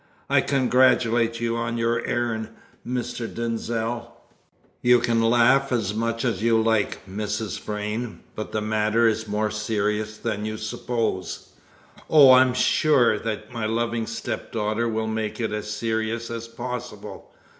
I congratulate you on your errand, Mr. Denzil." "You can laugh as much as you like, Mrs. Vrain, but the matter is more serious than you suppose." "Oh, I am sure that my loving stepdaughter will make it as serious as possible.